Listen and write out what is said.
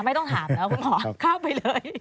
ไม่ต้องถามแล้วคุณหมอเข้าไปเลย